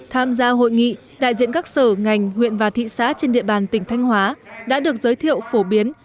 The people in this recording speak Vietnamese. tham gia hội nghị đại diện các sở ngành huyện và thị xã trên địa bàn tỉnh thanh hóa đã được giới thiệu phổ biến